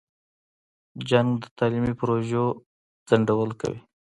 جنګ د تعلیمي پروژو ځنډول کوي.